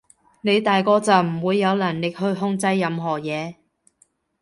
你大個就唔會有能力去控制任何嘢